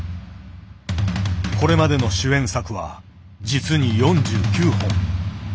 これまでの主演作は実に４９本。